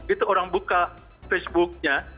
itu orang buka facebooknya